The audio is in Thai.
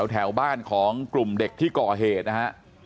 แถวบ้านของกลุ่มเด็กที่ก่อเหตุนะฮะ